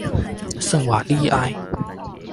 圣瓦利埃。